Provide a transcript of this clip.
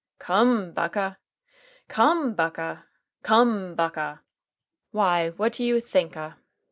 Come, Buck ah! COME, BUCK AH! COME, BUCK AH!' why what do you think ah?